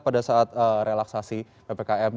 pada saat relaksasi ppkm